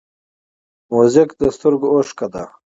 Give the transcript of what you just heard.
موزیک د سترګو اوښکه ده.